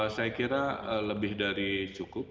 saya kira lebih dari cukup